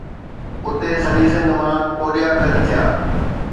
اتي سڄي سنڌ مان ڪوڏيا گڏ ٿيا.